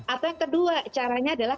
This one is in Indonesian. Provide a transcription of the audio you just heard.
atau yang kedua caranya adalah